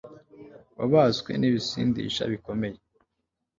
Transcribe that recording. wabaswe ni bisindisha bikomeye